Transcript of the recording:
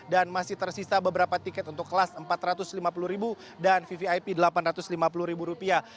dan masih tersisa beberapa tiket untuk kelas empat ratus lima puluh dan vvip delapan ratus lima puluh rupiah